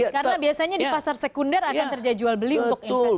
karena biasanya di pasar sekunder akan terjadi jual beli untuk investasi